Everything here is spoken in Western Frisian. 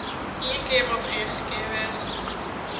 Ien kear moat de earste kear wêze.